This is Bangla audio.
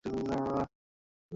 তার কাকার নামও তার নামের।